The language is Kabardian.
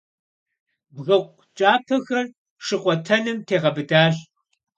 Бгыкъу кӀапэхэр шыкъуэтэным тегъэбыдащ.